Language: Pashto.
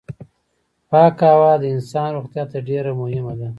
پاکه هوا د انسان روغتيا ته ډېره مهمه ده.